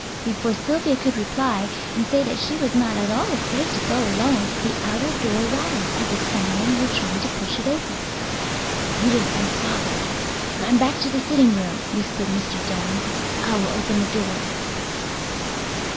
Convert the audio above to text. Before Sylvia could reply, and say that she was not at all afraid to go alone, the outer door rattled as if someone were trying to push it open. "You have been followed. Run back to the sitting room," whispered Mr. Doane. "I will open the door."